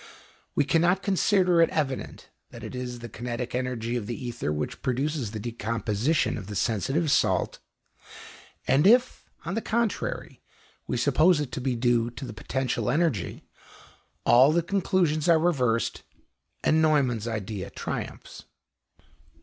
We cannot consider it evident that it is the kinetic energy of the ether which produces the decomposition of the sensitive salt; and if, on the contrary, we suppose it to be due to the potential energy, all the conclusions are reversed, and Neumann's idea triumphs.